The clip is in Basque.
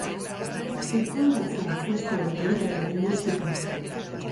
Zertan datza testuen kalitate linguistikoa?